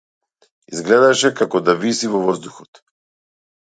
Изгледаше како да виси во воздухот.